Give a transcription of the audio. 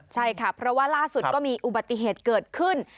ใช่ค่ะเพราะว่าล่าสุดก็มีอุบัติเหตุเกิดขึ้น